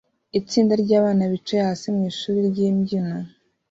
itsinda ryabana bicaye hasi mwishuri ryimbyino